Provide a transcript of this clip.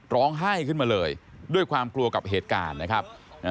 ร้องไห้ขึ้นมาเลยด้วยความกลัวกับเหตุการณ์นะครับ